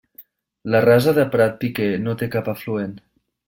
La Rasa de Prat Piquer no té cap afluent.